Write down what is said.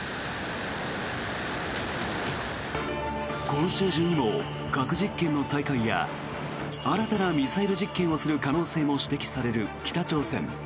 今週中にも核実験の再開や新たなミサイル実験をする可能性も指摘される北朝鮮。